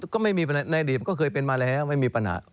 ก็ไม่มีปัญหาในอดีตก็เคยเป็นมาแล้วไม่มีปัญหา